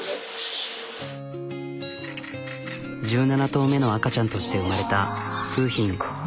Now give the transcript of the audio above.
１７頭目の赤ちゃんとして生まれた楓浜。